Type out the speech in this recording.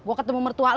gue ketemu mertua lo